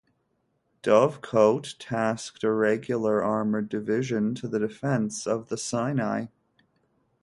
Dovecote tasked a regular armored division to the defense of the Sinai.